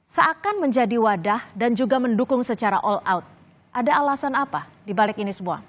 seakan menjadi wadah dan juga mendukung secara all out ada alasan apa dibalik ini semua